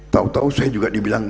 tau tau saya juga dibilang